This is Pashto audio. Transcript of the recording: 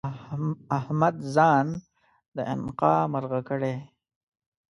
احمد ځان د انقا مرغه کړی؛